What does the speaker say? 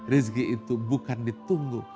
rizki itu bukan ditunggu